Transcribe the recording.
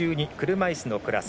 車いすのクラス。